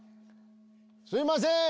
すいません